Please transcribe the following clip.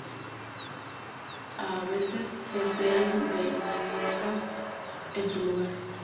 A veces se emplean vieiras en su lugar.